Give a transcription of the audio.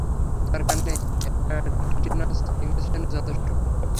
দরকার নেই, একটা টিটেনাস ইনজেকশনই যথেষ্ট।